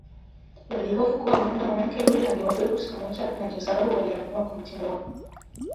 walihofu kuwa huwenda mwananke yule angewadhuru siku moja na ndiyo sababu waliamua kumtimua